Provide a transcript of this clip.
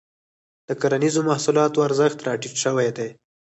د کرنیزو محصولاتو ارزښت راټيټ شوی دی.